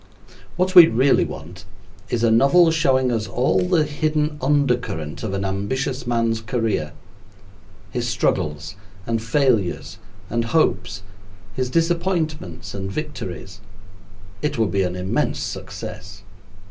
What we really want is a novel showing us all the hidden under current of an ambitious man's career his struggles, and failures, and hopes, his disappointments and victories. It would be an immense success.